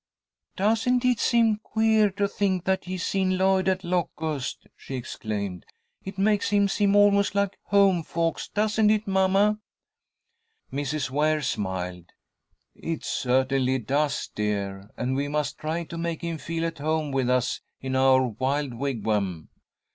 "Doesn't it seem queer to think that he's seen Lloyd and Locust?" she exclaimed. "It makes him seem almost like home folks, doesn't it, mamma?" Mrs. Ware smiled. "It certainly does, dear, and we must try to make him feel at home with us in our wild wigwam."